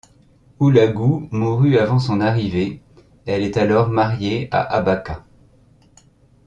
Houlagou mourut avant son arrivée, elle est alors mariée à Abaqa.